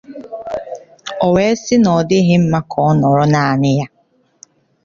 o wee sị na ọ dịghị mma ka ọ nọrọ naanị ya